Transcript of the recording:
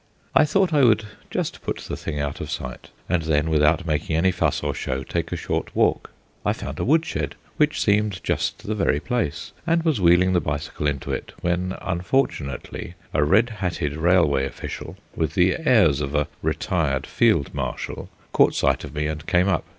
I thought I would just put the thing out of sight, and then, without making any fuss or show, take a short walk. I found a wood shed, which seemed just the very place, and was wheeling the bicycle into it when, unfortunately, a red hatted railway official, with the airs of a retired field marshal, caught sight of me and came up.